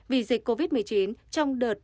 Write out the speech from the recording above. vì dịch covid một mươi chín trong đợt